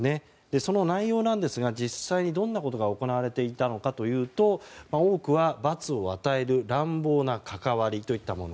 その内容なんですが実際にどんなことが行われていたのかというと多くは、罰を与える乱暴な関わりといったもの。